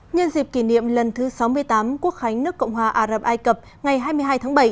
nhân dịp kỷ niệm lần thứ sáu mươi tám quốc khánh nước cộng hòa ả rập ai cập ngày hai mươi hai tháng bảy